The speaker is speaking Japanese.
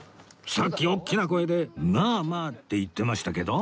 さっき大きな声で「まあまあ」って言ってましたけど？